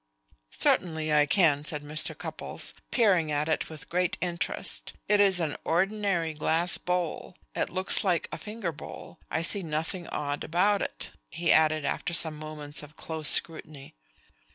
"Certainly I can," said Mr. Cupples, peering at it with great interest. "It is an ordinary glass bowl. It looks like a finger bowl. I see nothing odd about it," he added after some moments of close scrutiny.